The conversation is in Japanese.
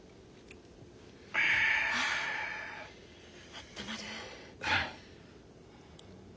あったまる。